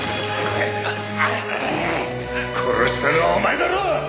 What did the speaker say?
殺したのはお前だろう！